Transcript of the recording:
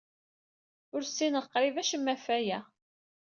Ur ssineɣ qrib acemma ɣef waya.